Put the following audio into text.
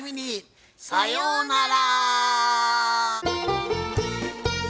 さようなら！